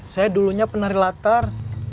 saya dulunya penari latar